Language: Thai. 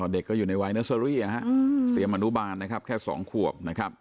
เด็กก็อยู่ในวัยเนอร์ซอรี่เปรียบมนุบาลแค่๒ขวบ